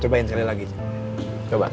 cobain sekali lagi coba